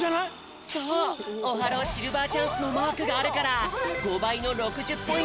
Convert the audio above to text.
そうオハローシルバーチャンスのマークがあるから５ばいの６０ポイント